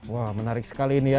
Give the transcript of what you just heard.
wah menarik sekali ini ya